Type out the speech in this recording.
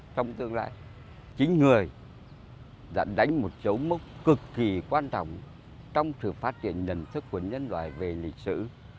trong tương lai chính người đã đánh một dấu mốc cực kỳ quan trọng trong sự phát triển nhận thức của nhân loại về lịch sử